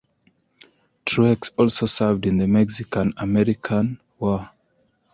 Truex also served in the Mexican–American War.